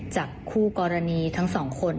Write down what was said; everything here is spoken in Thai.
คู่กรณีทั้งสองคน